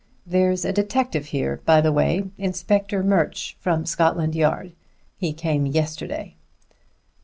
There's a detective here, by the way; Inspector Murch, from Scotland Yard. He came yesterday."